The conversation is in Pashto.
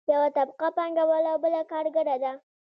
یوه طبقه پانګوال او بله کارګره ده.